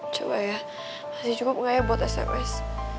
coba ya masih cukup gak ya buat sms